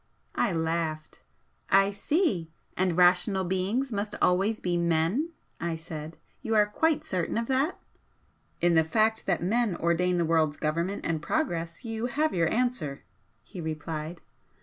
I laughed. "I see! And rational beings must always be men!" I said "You are quite certain of that?" "In the fact that men ordain the world's government and progress, you have your answer," he replied.